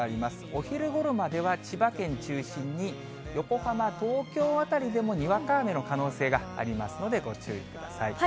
お昼ごろまでは千葉県中心に横浜、東京辺りでもにわか雨の可能性がありますのでご注意ください。